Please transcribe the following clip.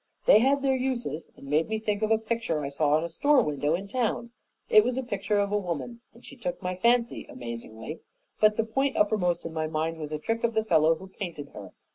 "They had their uses, and make me think of a picture I saw in a store window in town. It was a picture of a woman, and she took my fancy amazingly. But the point uppermost in my mind was a trick of the fellow who painted her.